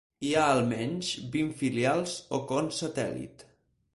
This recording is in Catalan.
Hi ha almenys vint filials o cons satèl·lit.